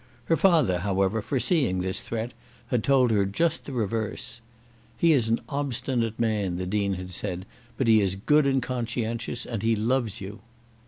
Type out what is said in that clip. Her father, however, foreseeing this threat, had told her just the reverse. "He is an obstinate man," the Dean had said, "but he is good and conscientious, and he loves you."